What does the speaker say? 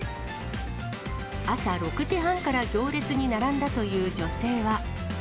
朝６時半から行列に並んだという女性は。